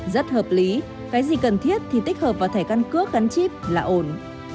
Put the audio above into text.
rất hợp lý cái gì cần thiết thì tích hợp vào thẻ căn cước gắn chip là ổn